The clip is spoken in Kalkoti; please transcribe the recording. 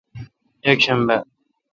یکشنبہ